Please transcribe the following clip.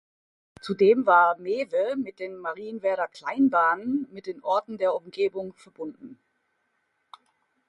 Zudem war Mewe mit den Marienwerder Kleinbahnen mit den Orten der Umgebung verbunden.